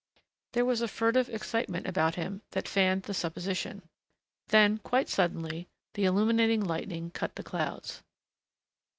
There was a furtive excitement about him that fanned the supposition. Then, quite suddenly, the illuminating lightning cut the clouds.